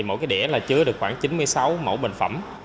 mỗi đĩa chứa được khoảng chín mươi sáu mẫu bệnh phẩm